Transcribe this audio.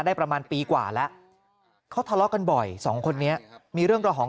ประมาณปีกว่าแล้วเขาทะเลาะกันบ่อยสองคนนี้มีเรื่องระหอง